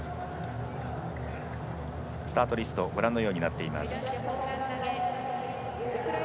スタートリストはご覧のようになっています。